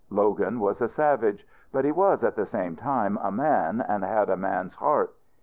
Logan was a savage; but he was, at the same time, a man, and had a man's heart.